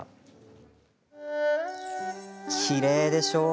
きれいでしょ？